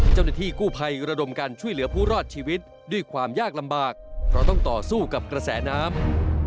เจ้าหน้าที่กู้ภัยระดมการช่วยเหลือผู้รอดชีวิตด้วยความยากลำบากเพราะต้องต่อสู้กับกระแสน้ำ